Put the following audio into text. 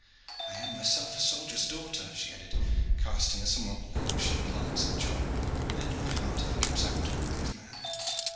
I am myself a soldier's daughter," she added, casting a somewhat languishing glance at John, "and my heart ever goes out to a brave man."